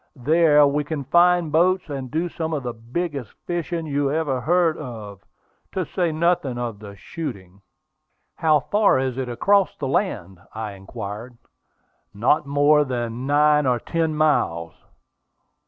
There we can find boats, and do some of the biggest fishing you ever heard of, to say nothing of the shooting." "How far is it across the land?" I inquired. "Not more than nine or ten miles."